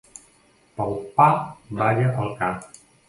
Pel pa balla el ca.